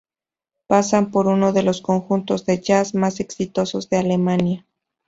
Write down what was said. Pasan por uno de los conjuntos de jazz más exitosos de Alemania.